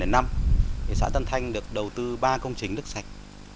năm hai nghìn năm xã tân thanh được đầu tư ba công trình nước sạch